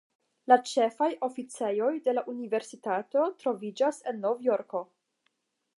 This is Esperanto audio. La ĉefaj oficejoj de la universitato troviĝas en Nov-Jorko.